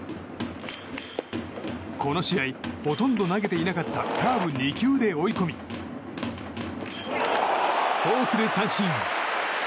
この試合ほとんど投げていなかったカーブ２球で追い込みフォークで三振。